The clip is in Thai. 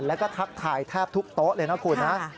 แล้วก็ทักทายแทบทุกโต๊ะเลยนะคุณนะ